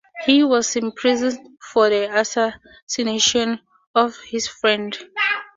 He was imprisoned for the assassination of his friend.